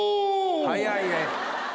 早いね。